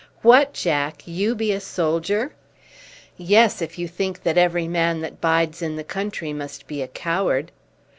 "What, Jack! you be a soldier!" "Yes, if you think that every man that bides in the country must be a coward."